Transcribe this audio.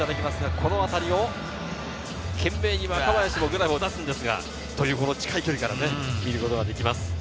この当たりを懸命に若林もグラブを出しますが、近い距離から見ることができます。